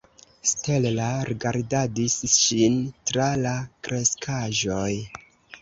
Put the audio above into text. Stella rigardadis ŝin tra la kreskaĵoj.